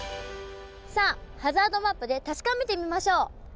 さあハザードマップで確かめてみましょう。